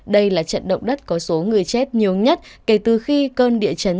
đây là trận động đất có số người chết nhiều nhất kể từ khi cơn địa chấn